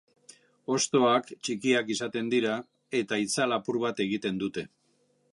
Hostoak txikiak izaten dira eta itzal apur bat egiten dute.